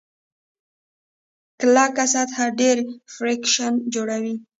کلکه سطحه ډېر فریکشن جوړوي.